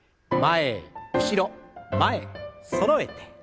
前後ろ前そろえて。